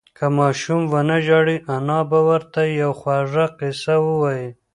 که ماشوم ونه ژاړي، انا به ورته یوه خوږه قصه ووایي.